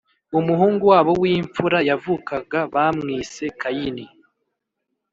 umuhungu wabo w imfura yavukaga bamwise Kayini